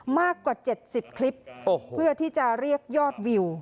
มากกว่าเจ็ดสิบคลิปโอ้โหเพื่อที่จะเรียกยอดวิว